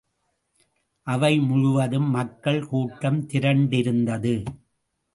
அவை முழுவதும் மக்கள் கூட்டம் திரண்டிருந்தது.